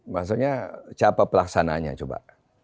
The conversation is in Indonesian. maksudnya siapa pelaksananya coba